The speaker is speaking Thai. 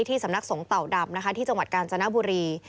ที่สำนักสงต่อดำที่จังหวัดกาญจนบุรี